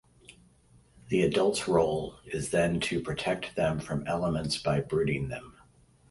The adults' role is then to protect them from the elements by brooding them.